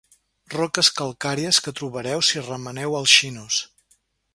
Roques calcàries que trobareu si remeneu als xinos.